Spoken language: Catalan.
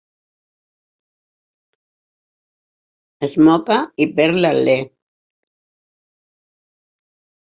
Es moca i perd l'alè.